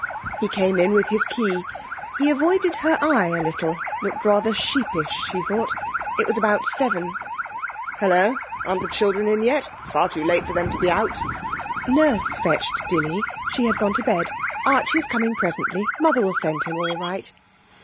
He came in with his key. He avoided her eye a little looked rather sheepish, she thought. It was about seven. 'Hallo! Aren't the children in yet? Far too late for them to be out.' 'Nurse fetched Dilly. She has gone to bed. Archie is coming presently; mother will send him all right.'